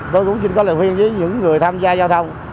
tôi cũng xin có lời khuyên với những người tham gia giao thông